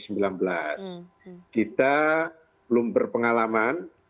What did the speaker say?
kita belum berpengalaman